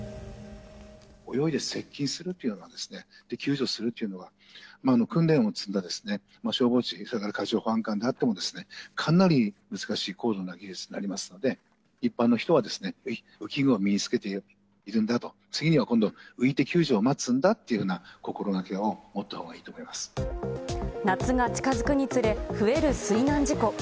泳いで接近するというのは、救助するというのは、訓練を積んだ消防士、それから海上保安官であっても、かなり難しい高度な技術になりますので、一般の人は浮き具を身につけているんだと、次には今度、浮いて救助を待つんだというような心がけを持ったほうがいいと思夏が近づくにつれ増える水難事故。